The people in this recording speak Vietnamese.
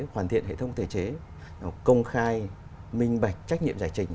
hoàn thiện hệ thống thể chế công khai minh bạch trách nhiệm giải trình